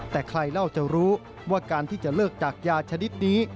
แต่ใครเล่าจะรู้ว่าการที่จะเลิกจากยาชนิดนี้